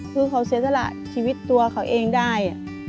คือเขาเสียสละชีวิตตัวเขาเองได้